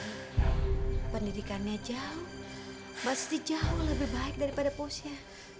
lagi pendidikannya jauh pasti jauh lebih baik daripada posnya